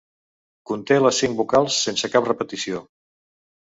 Conté les cinc vocals sense cap repetició.